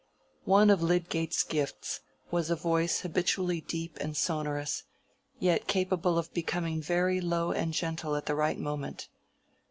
One of Lydgate's gifts was a voice habitually deep and sonorous, yet capable of becoming very low and gentle at the right moment.